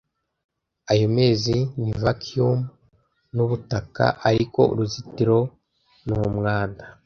Ayo mezi ni vacuum nubutaka ariko uruzitiro numwanda.